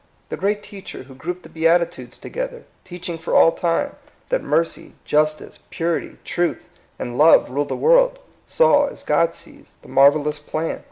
The great Teacher who grouped the Beatitudes together, teaching for all time that mercy, justice, purity, truth, and love rule the world, saw, as God sees, the mar vellous plan.